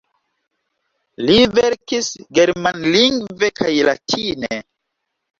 Li verkis germanlingve kaj latine.